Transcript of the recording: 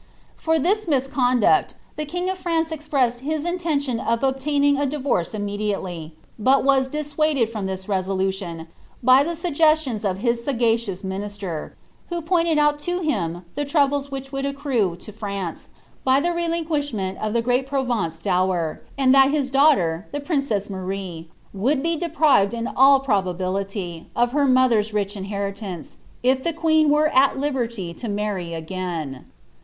For this miBcoodofl the king of France expressed his intention of obtaining a divorce inna^ diately, but was dissuaded from this resolution by the su^estioitt rf liis sBgacioDs minister, who pointed out to him the troubles whidi would accrue to France, by the relinquishment of the "great Prorenp dnwer,'' and that his daughter, the princess Alarie, would br dqirivN in ail probability, of her mother's rich inheritance, if the queen wcM « liberty to marry again.